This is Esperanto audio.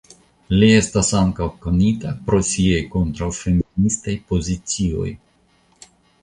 Li estas ankaŭ konita pro siaj kontraŭfeministaj pozicioj.